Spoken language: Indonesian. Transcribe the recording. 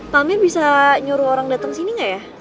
pak mir bisa nyuruh orang datang sini gak ya